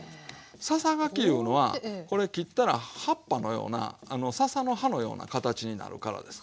ささがきいうのはこれ切ったら葉っぱのようなささの葉のような形になるからです。